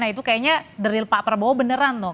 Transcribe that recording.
nah itu kayaknya dari pak prabowo beneran tuh